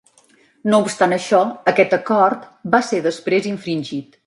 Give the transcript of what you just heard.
No obstant això, aquest acord va ser després infringit.